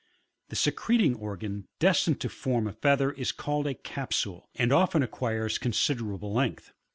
[The secreting organ destined to form a feather is called a capsule, and often acquires considerable length.